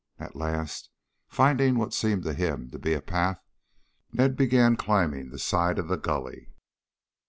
At last, finding what seemed to him to be a path, Ned began climbing the side of the gully.